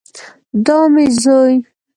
دا مې زوی